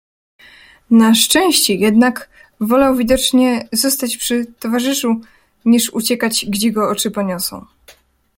Na szczęście jednak wolał widocznie zostać przy towarzyszu, niż uciekać, gdzie go oczy poniosą.